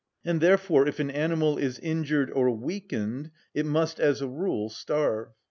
And, therefore, if an animal is injured or weakened it must, as a rule, starve.